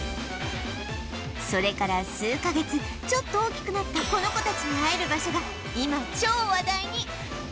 それから数カ月ちょっと大きくなったこの子たちに会える場所が今超話題に！